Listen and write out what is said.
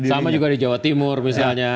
sama juga di jawa timur misalnya